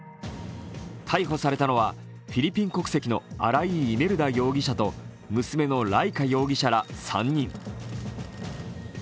逮捕されたのはフィリピン国籍の新井イメルダ容疑者と、娘のライカ容疑者ら３人。